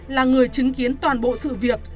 là người chứng kiến toàn bộ sự việc